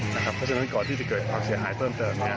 เพราะฉะนั้นก่อนที่จะเกิดออกเสียหายเพิ่มเติบเนี่ย